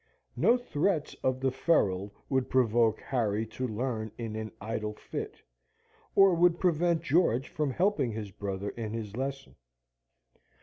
No threats of the ferule would provoke Harry to learn in an idle fit, or would prevent George from helping his brother in his lesson.